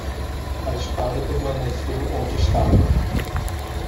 A espada permaneceu onde estava.